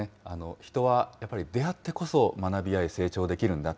人はやっぱり出会ってこそ学び合い成長できるんだ。